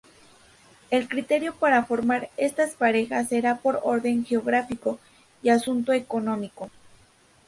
El criterio para formar estas parejas será por orden geográfico y asunto económico.